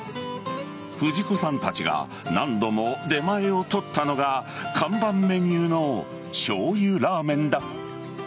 藤子さんたちが何度も出前を取ったのが看板メニューのしょうゆラーメンだ。